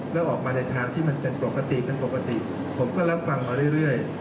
แล้วออกมาในทางที่มันเป็นปกติเป็นปกติผมก็รับฟังมาเรื่อย